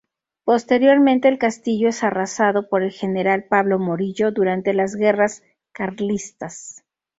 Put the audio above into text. Posteriormente, el castillo es arrasado por el general Pablo Morillo durante las guerras carlistas.